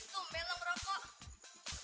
tum belong rokok